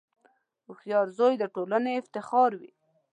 • هوښیار زوی د ټولنې افتخار وي.